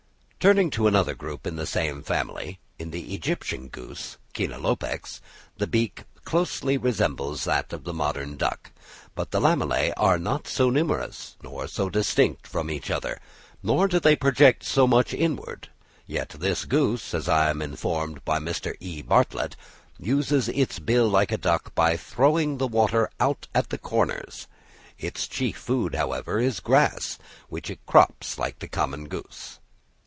Turning to another group of the same family. In the Egyptian goose (Chenalopex) the beak closely resembles that of the common duck; but the lamellæ are not so numerous, nor so distinct from each other, nor do they project so much inward; yet this goose, as I am informed by Mr. E. Bartlett, "uses its bill like a duck by throwing the water out at the corners." Its chief food, however, is grass, which it crops like the common goose.